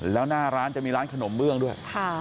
แล้วหน้าร้านจะมีร้านขนมเบื้องด้วย